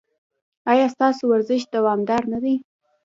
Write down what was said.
ایا ستاسو ورزش دوامدار نه دی؟